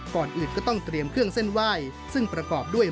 ก่อนอื่นก็ต้องเตรียมเครื่องเส้นไหว้ซึ่งประกอบด้วย